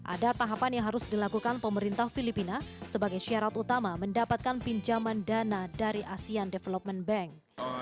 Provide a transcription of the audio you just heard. ada tahapan yang harus dilakukan pemerintah filipina sebagai syarat utama mendapatkan pinjaman dana dari asean development bank